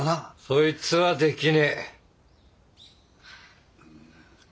そいつはできねえ。